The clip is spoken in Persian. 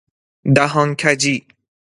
دهان کجی